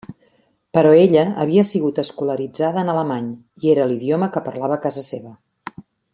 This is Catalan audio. Però ella havia sigut escolaritzada en alemany i era l'idioma que parlava a casa seva.